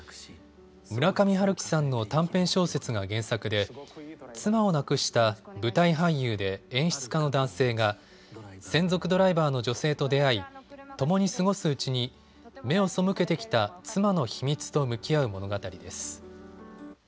村上春樹さんの短編小説が原作で妻を亡くした舞台俳優で演出家の男性が専属ドライバーの女性と出会い、ともに過ごすうちに目を背けてきた妻の秘密と向き合う物語です。